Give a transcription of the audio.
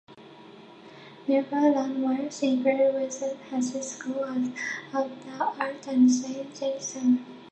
Nearby landmarks include Rosedale Heights School of the Arts and Saint James Cemetery.